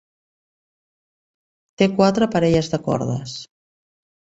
Té quatre parelles de cordes.